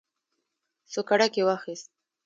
سوکړک یې واخیست.